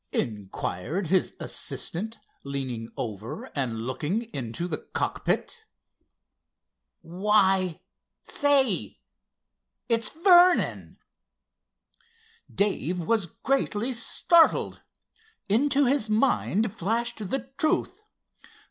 inquired his assistant, leaning over and looking into the cockpit. "Why, say—it's Vernon!" Dave was greatly startled. Into his mind flashed the truth.